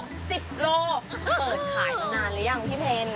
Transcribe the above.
เกิดขายมานานหรือยังพี่เทน